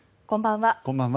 こんばんは。